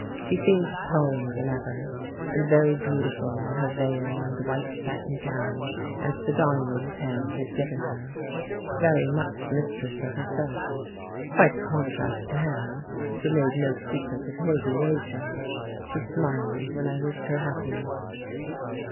She seemed taller than ever, and very beautiful in her veil and white satin gown and the diamonds Ham had given her; very much mistress of herself, quite a contrast to Ham, who made no secret of his elation. She smiled when I wished her happiness.